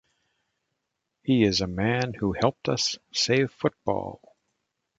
He is a man who helped us save football.